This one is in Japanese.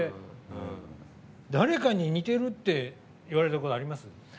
誰かに似てるって言われたことあります？